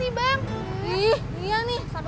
ih bang bersik banget